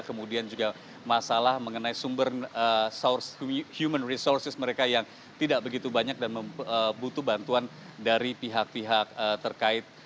kemudian juga masalah mengenai sumber human resources mereka yang tidak begitu banyak dan butuh bantuan dari pihak pihak terkait